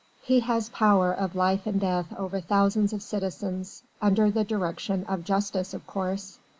He has power of life and death over thousands of citizens under the direction of justice, of course!